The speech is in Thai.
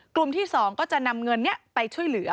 กลุ่มที่๒ก็จะนำเงินนี้ไปช่วยเหลือ